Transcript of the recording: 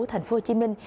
thành phố hồ chí minh